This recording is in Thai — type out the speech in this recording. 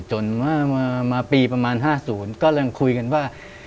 จนมาปีประมาณ๕๐ก็เริ่มคุยกันว่า